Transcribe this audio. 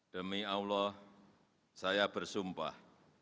demi allah saya bersumpah